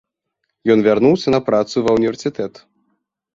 Ён вярнуўся на працу ва ўніверсітэт.